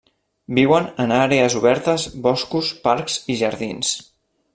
Viuen en àrees obertes, boscos, parcs i jardins.